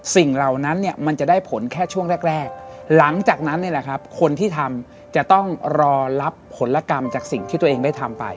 เหล่านั้นเนี่ยมันจะได้ผลแค่ช่วงแรกหลังจากนั้นเนี่ยแหละครับคนที่ทำจะต้องรอรับผลกรรมจากสิ่งที่ตัวเองได้ทำไป